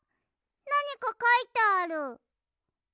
なにかかいてある。